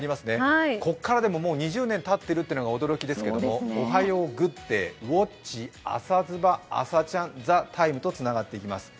ここからでも２０年たっているというのが驚きですけど「おはよう！グッディ」、「ウォッチ！」、「朝ズバッ！」、「あさチャン！」、「ＴＨＥＴＩＭＥ，」とつながっていきます。